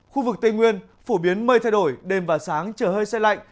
khu vực tây nguyên phổ biến mây thay đổi đêm và sáng trời hơi xe lạnh